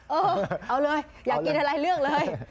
เออเอาเลยอยากกินอะไรเลือกเลย